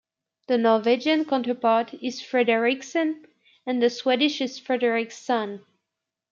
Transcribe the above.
The Norwegian counterpart is Fredriksen and the Swedish is Fredriksson.